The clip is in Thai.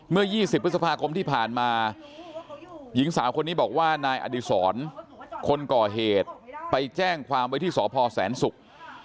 เมื่อ๒๐พฤษภาคมที่ผ่านมาหญิงสาวคนนี้บอกว่านายอดีศรคนก่อเหตุไปแจ้งความไว้ที่สพแสนศุกร์